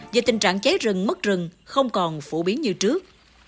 và tình trạng cháy rừng mất rừng không còn phổ biến như trước